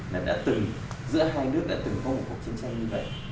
là đã từng giữa hai nước đã từng có một cuộc chiến tranh như vậy